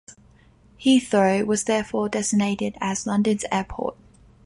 Heathrow was therefore designated as London's airport.